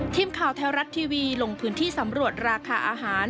ทีมข่าวไทยรัฐทีวีลงพื้นที่สำรวจราคาอาหาร